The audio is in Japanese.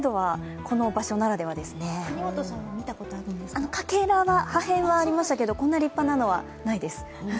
かけらは見たことがありましたけれども、こんな立派なのはないです。